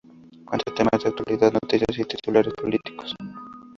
Cuenta temas de actualidad, noticias y titulares políticos.